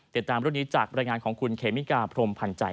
ติดตามรุ่นนี้จากบริงารของคุณเคมิกาพรมพันธ์ใจ